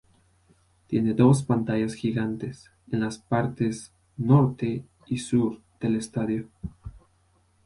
Tiene dos pantallas gigantes en las partes norte y sur del estadio.